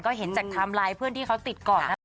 ก็เห็นจากไทม์ไลน์เพื่อนที่เขาติดก่อนนะคะ